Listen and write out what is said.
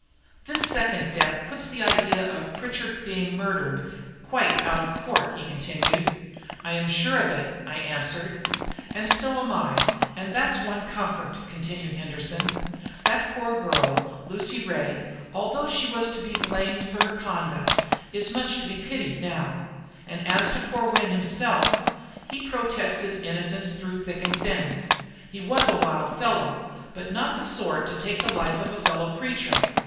"This second death puts the idea of Pritchard being murdered quite out of court," he continued. "I am sure of it," I answered. "And so am I, and that's one comfort," continued Henderson. "That poor girl, Lucy Ray, although she was to be blamed for her conduct, is much to be pitied now; and as to poor Wynne himself, he protests his innocence through thick and thin. He was a wild fellow, but not the sort to take the life of a fellow creature.